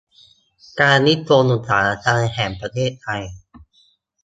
การนิคมอุตสาหกรรมแห่งประเทศไทย